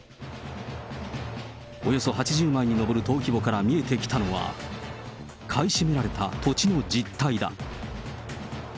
およそ８０枚に上る登記簿から見えてきたのは、買い占められた土地の実態だ。